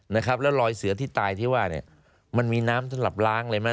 นะครับแล้วรอยเสือที่ตายที่ว่าเนี่ยมันมีน้ำสำหรับล้างอะไรไหม